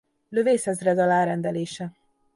Lövészezred alá rendelése.